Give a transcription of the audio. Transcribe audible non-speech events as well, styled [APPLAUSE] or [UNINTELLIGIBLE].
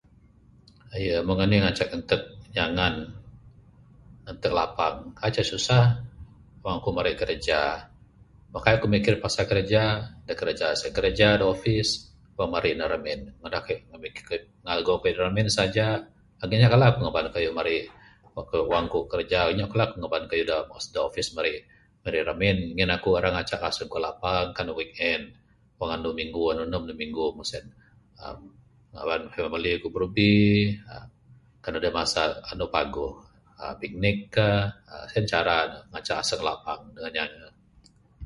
Aye meng anih ngancak entek nyangan entek lapang kaik ce susah wang ku marik kraja, meh kaik ku mikir pasal kraja. Da kraja sien kraja da office. Wang marik neg ramin [UNINTELLIGIBLE] ngago kayuh da ramin saja. Anyap kala ku ngaban kayuh marik wang ku kraja nyap kala ku ngaban kayuh da office marik ramin ngin ku ngancak aseng ku lapang kan ne weekend wang anu enem anu minggu anu enem anu minggu meng sien emm ngaban family ku brubi aaa kan adeh masa anu paguh aaa picnic ka en cara ngancak aseng lapang dangan nyange.